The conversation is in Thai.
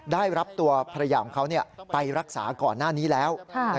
ได้รับตัวภรรยาของเขาไปรักษาก่อนหน้านี้แล้ว